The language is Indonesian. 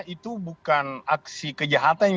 itu bukan aksi kejahatan